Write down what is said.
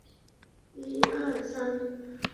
否则完全可能受到各强富之国的干预制裁。